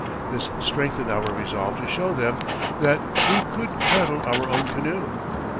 This strengthened our resolve to show them that we could paddle our own canoe.